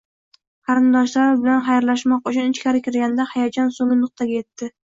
qarindoshlari bilan xayrlashmoq uchun ichkari kirganida hayajon so'nggi nuqtaga yetdi.